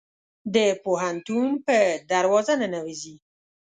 د پوهنتون په دروازه ننوزي